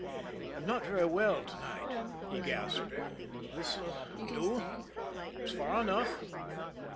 "I'm I'm not very well to night," he gasped. "This will do it's far enough."